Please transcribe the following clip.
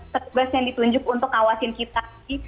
petugas yang ditunjuk untuk ngawasin kita